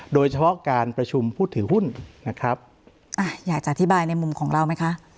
โดยเฉพาะการประชุมผู้ถือหุ้นนะครับอ่ะอยากจะอธิบายในมุมของเราไหมคะ